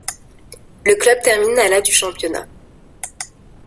Le club termine à la du championnat.